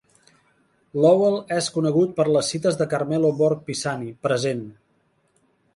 Lowell és conegut per les cites de Carmelo Borg Pisani, present!